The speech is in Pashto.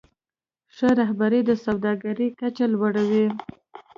ښه رهبري د سوداګرۍ کچه لوړوي.